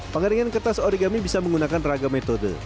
pengeringan kertas origami bisa menggunakan ragam metode